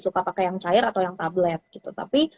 suka pakai yang cair atau yang tablet gitu tapi